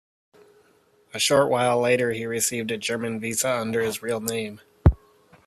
A short while later he received a German visa under his real name.